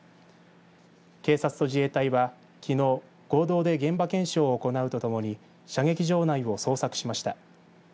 警察と自衛隊は、きのう合同で現場検証を行うとともに射撃場内を捜索しました。